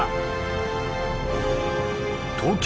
東京